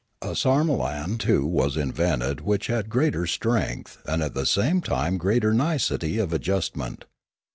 A sarmolan too was invented which had greater strength, and at the same time greater nicety of ad justment.